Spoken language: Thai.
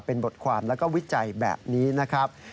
เป็นบทความแล้วก็วิจัยแบบนี้นะครับ